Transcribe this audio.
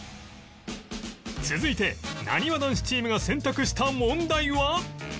続いてなにわ男子チームが選択した問題は